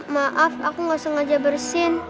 maaf aku nggak sengaja bersin